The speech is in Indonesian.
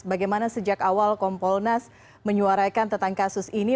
bagaimana sejak awal kompolnas menyuarakan tentang kasus ini